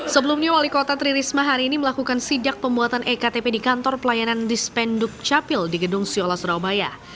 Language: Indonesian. sebelumnya wali kota tri risma hari ini melakukan sidak pembuatan ektp di kantor pelayanan dispenduk capil di gedung siola surabaya